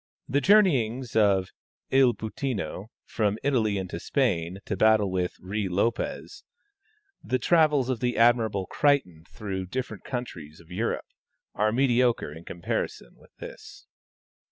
The journeyings of Il Puttino from Italy into Spain to battle with Ruy Lopez the travels of the admirable Crichton through different countries of Europe, are mediocre in comparison with this.